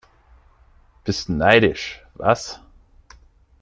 Bist neidisch, was?